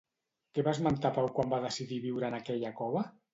Què va esmentar Pau quan va decidir viure en aquella cova?